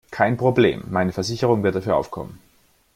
Kein Problem, meine Versicherung wird dafür aufkommen.